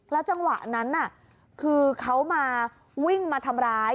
จังหวะนั้นคือเขามาวิ่งมาทำร้าย